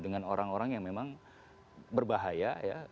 dengan orang orang yang memang berbahaya ya